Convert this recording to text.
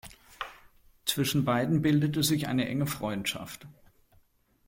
Zwischen beiden bildete sich eine enge Freundschaft.